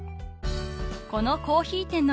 ［このコーヒー店のサイン